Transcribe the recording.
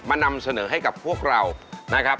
นำเสนอให้กับพวกเรานะครับ